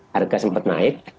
harga sempat naik